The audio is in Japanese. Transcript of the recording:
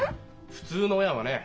普通の親はね